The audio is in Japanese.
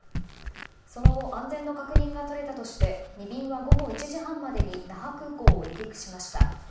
その後安全の確認が取れたとして２便は午後１時半までに那覇空港を離陸しました。